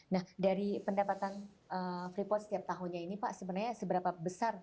nah dari pendapatan free pod setiap tahunnya ini pak sebenarnya seberapa besar yang dibuat